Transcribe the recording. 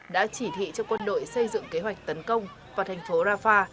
đã chỉ thị cho quân đội xây dựng kế hoạch tấn công vào thành phố rafah